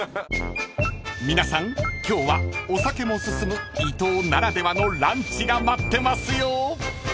［皆さん今日はお酒も進む伊東ならではのランチが待ってますよ］